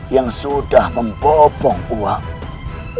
yang sudah membobong uwamu